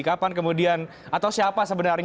kapan kemudian atau siapa sebenarnya